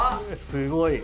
すごい。